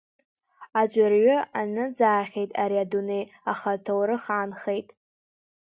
Аӡәырҩы аныӡаахьеит ари адунеи, аха аҭоурых аанхеит.